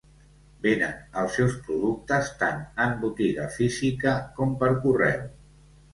Venen els seus productes tant en botiga física com per correu.